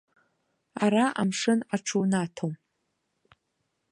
Ара амшын аҽунаҭом.